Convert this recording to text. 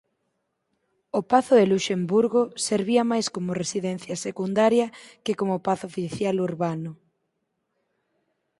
O Pazo de Luxemburgo servía máis como residencia secundaria que como pazo oficial urbano.